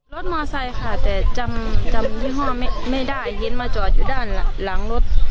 มอไซค์ค่ะแต่จำยี่ห้อไม่ได้เห็นมาจอดอยู่ด้านหลังรถ